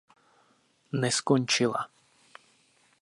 Neskončila.